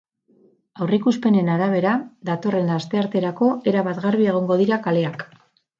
Aurreikuspenen arabera, datorren astearterako erabat garbi egongo dira kaleak.